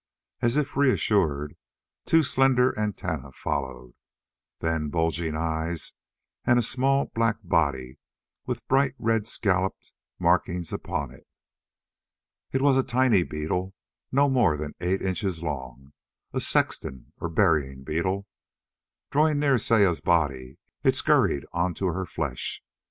As if reassured, two slender antennae followed, then bulging eyes and a small, black body with bright red scalloped markings upon it. It was a tiny beetle no more than eight inches long a sexton or burying beetle. Drawing near Saya's body it scurried onto her flesh.